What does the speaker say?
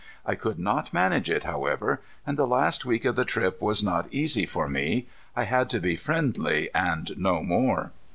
I could not manage it, however, and the last week of the trip was not easy for me. I had to be friendly and no more.